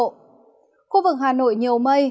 khu vực hà nội nhiều mây